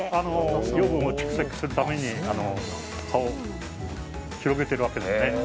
養分を蓄積するために葉を広げているわけですね。